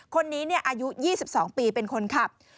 คนนี้อายุ๒๒ปีเป็นคนขับ